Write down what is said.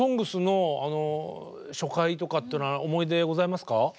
「ＳＯＮＧＳ」の初回とかっていうのは思い出ございますか？